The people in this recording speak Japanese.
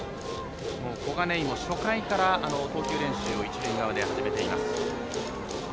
小金井も初回から投球練習を一塁側で始めています。